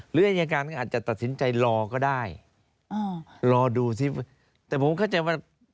หรืออายการก็อาจจะตัดสินใจรอก็ได้รอดูสิแต่ผมเข้าใจว่า